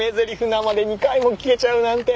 生で２回も聞けちゃうなんて！